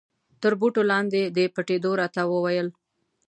تر بوټو لاندې د پټېدو را ته و ویل.